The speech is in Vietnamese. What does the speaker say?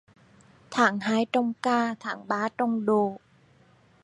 Tháng hai trồng cà, tháng ba trồng đỗ.